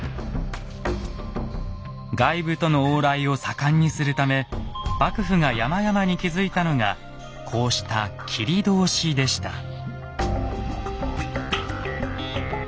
外部との往来を盛んにするため幕府が山々に築いたのがこうした切通でした。